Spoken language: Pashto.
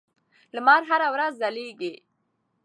لمر هره ورځ ځلېږي.